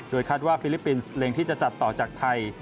คาดว่าฟิลิปปินส์เล็งที่จะจัดต่อจากไทย